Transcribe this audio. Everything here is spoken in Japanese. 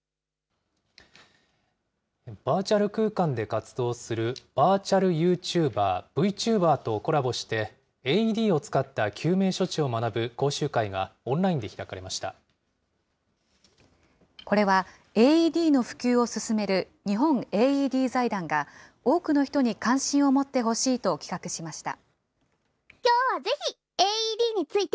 バーチャル空間で活動するバーチャルユーチューバー、Ｖチューバーとコラボして、ＡＥＤを使った救命処置を学ぶ講習会これはＡＥＤの普及を進める日本ＡＥＤ財団が、多くの人に関心を持ってほしいと企画しました。